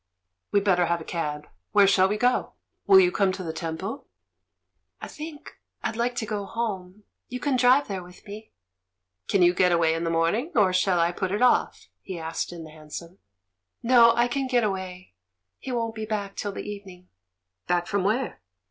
"We'd better have a cab. Where shall we go — will you come to the Temple?" "I think I'd like to go home; you can drive there with me," "Can you get away in the morning — or shall I put it off?" he asked in the hansom. "No, I can get away — he won't be back till the evening." "Back from where?"